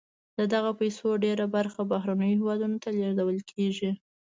د دغه پیسو ډېره برخه بهرنیو هېوادونو ته لیږدول کیږي.